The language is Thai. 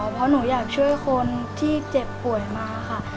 เพราะหนูอยากช่วยคนที่เจ็บป่วยมาค่ะ